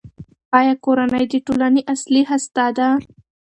آیا کورنۍ د ټولنې اصلي هسته ده؟